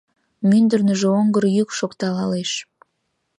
Мӱндырныжӧ оҥгыр йӱк шокталалеш -